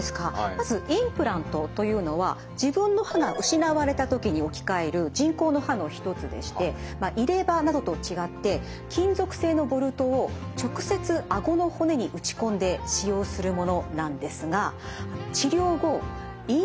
まずインプラントというのは自分の歯が失われた時に置き換える人工の歯の一つでしてまあ入れ歯などと違って金属製のボルトを直接あごの骨に打ち込んで使用するものなんですが治療後インプラント周囲